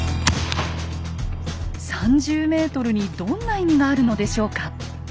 ３０ｍにどんな意味があるのでしょうか？